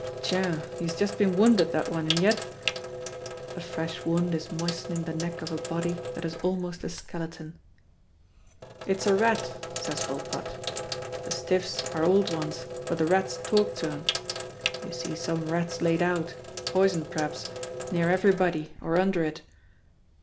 "Tiens, he's just been wounded, that one, and yet " A fresh wound is moistening the neck of a body that is almost a skeleton. "It's a rat," says Volpatte. "The stiffs are old ones, but the rats talk to 'em. You see some rats laid out poisoned, p'raps near every body or under it.